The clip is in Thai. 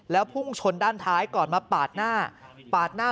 แล้วพุ่งชนด้านท้ายก่อนมาปากหน้า